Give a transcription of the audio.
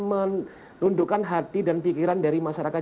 menundukkan hati dan pikiran dari masyarakat